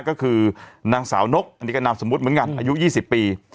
ก็คือนางสาวนกอันนี้ก็นามสมมุติเหมือนกันอายุ๒๐ปี